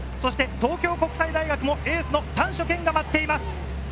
東京国際もエースの丹所健が待っています。